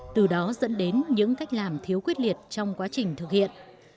từ đó dẫn đến những cách làm thiếu quyết liệt trong quá trình thực hiện